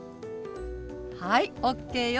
はいＯＫよ。